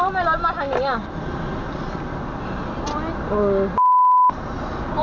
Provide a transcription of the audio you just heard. โอ๊ยแล้วมันทำไมโอ้โห